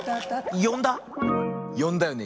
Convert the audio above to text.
よんだよね？